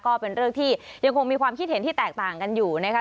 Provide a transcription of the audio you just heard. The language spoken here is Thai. ก็เป็นเรื่องที่ยังคงมีความคิดเห็นที่แตกต่างกันอยู่นะคะ